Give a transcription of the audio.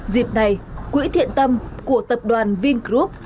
dịp này quỹ thiện tâm của tập đoàn vingroup